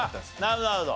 なるほどなるほど。